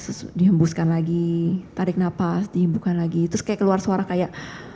terus dihembuskan lagi tarik nafas dihembukan lagi terus kayak keluar suara kayak